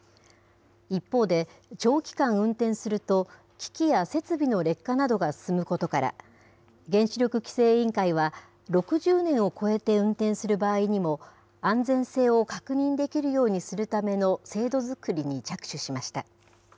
一方で、長期間運転すると、機器や設備の劣化などが進むことから、原子力規制委員会は、６０年を超えて運転する場合にも、安全性を確認できるようにするための制度づくりに着手しました。